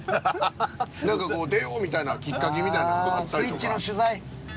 何かこう出ようみたいなきっかけみたいなのがあったりとか。